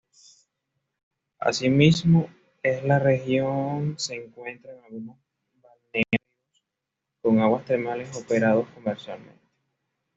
Así mismo, en la región se encuentran algunos balnearios con aguas termales operados comercialmente.